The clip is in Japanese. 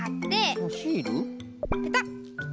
ペタッ！